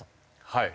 はい。